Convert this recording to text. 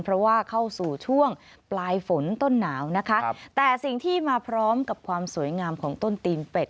เพราะว่าเข้าสู่ช่วงปลายฝนต้นหนาวนะคะแต่สิ่งที่มาพร้อมกับความสวยงามของต้นตีนเป็ด